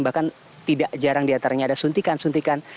bahkan tidak jarang di antaranya ada suntikan suntikan